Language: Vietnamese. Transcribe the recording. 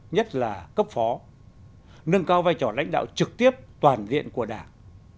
nhất là cấp phó nâng cao vai trò lãnh đạo trực tiếp toàn diện của đảng